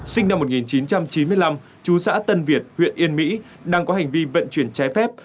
sinh năm một nghìn chín trăm chín mươi năm chú xã tân việt huyện yên mỹ đang có hành vi vận chuyển trái phép